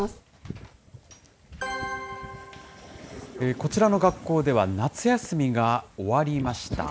こちらの学校では、夏休みが終わりました。